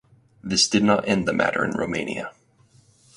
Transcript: This did not end the matter in Romania.